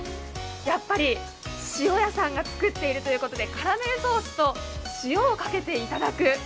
やっぱり塩屋さんが作っているということでカラメルソースと塩をかけて頂く。